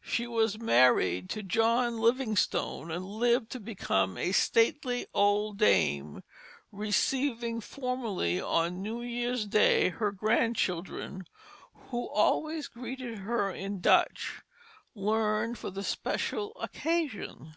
She was married to John Livingstone, and lived to become a stately old dame, receiving formally on New Year's Day her grandchildren, who always greeted her in Dutch learned for the special occasion.